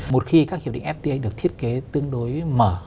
một khi các hiệp định fta được thiết kế tương đối mở